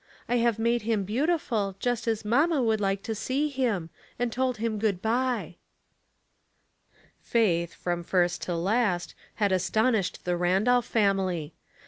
I have made him beautiful, just as mamma would like to see him, and told him good bye." 326 Household Puzzles, Faith, from first to last, had astonished the Randolph family.